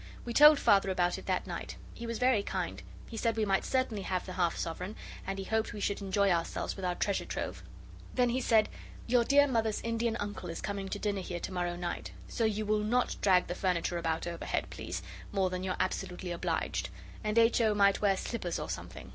We told Father about it that night. He was very kind. He said we might certainly have the half sovereign, and he hoped we should enjoy ourselves with our treasure trove. Then he said, 'Your dear Mother's Indian Uncle is coming to dinner here to morrow night. So will you not drag the furniture about overhead, please, more than you're absolutely obliged; and H. O. might wear slippers or something.